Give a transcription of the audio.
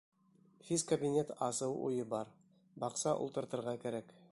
Физкабинет асыу уйы бар, баҡса ултыртырға кәрәк.